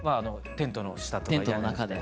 テントの中で。